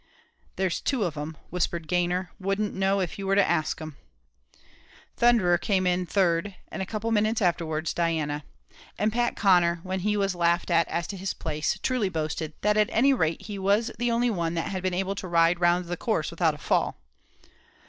"There's two of 'em," whispered Gayner, "wouldn't know if you were to ask 'em." Thunderer came in third, and a couple of minutes afterwards, Diana; and Pat Conner, when he was laughed at as to his place, truly boasted that at any rate he was the only one that had been able to ride round the course without a fall.